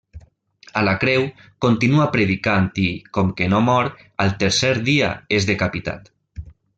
A la creu, continua predicant i, com que no mor, al tercer dia és decapitat.